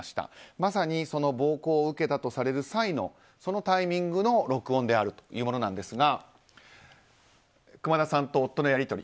まさに暴行を受けたとされる際のそのタイミングの録音であるというものなんですが熊田さんと夫のやり取り。